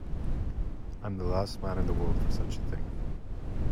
I am the last man in the world for such a thing.